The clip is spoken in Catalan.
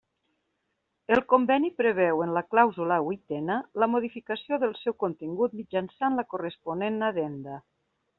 El conveni preveu en la clàusula huitena la modificació del seu contingut mitjançant la corresponent addenda.